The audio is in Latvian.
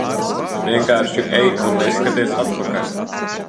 Vienkārši ej un neskaties atpakaļ.